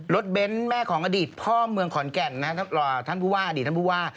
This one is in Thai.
รถเบนท์แม่ของอดีตพ่อเมืองขอนแก่นนะครับท่านภูวาอดีตท่านภูวา